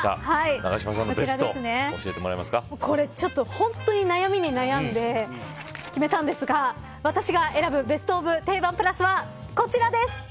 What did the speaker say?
永島さんのベストを本当に悩みに悩んで決めたんですが私が選ぶベスト・オブ・テイバンプラスは、こちらです。